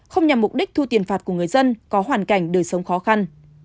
không nhằm mục đích thu tiền phạt của người dân có hoàn cảnh đời sống khó khăn